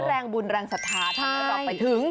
แรงบุญแรงสถาทฯเราไปถึง